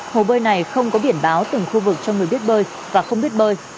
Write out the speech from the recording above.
hồ bơi này không có biển báo từng khu vực cho người biết bơi và không biết bơi